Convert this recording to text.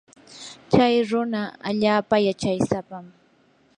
chay runa allaapa yachaysapam.